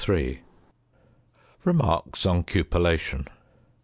~Remarks on Cupellation.